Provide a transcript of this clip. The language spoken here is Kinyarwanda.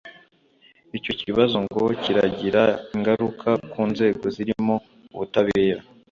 Icyo kibazo ngo kiragira ingaruka ku nzego zirimo ubutabera